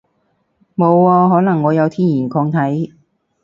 冇喎，可能我有天然抗體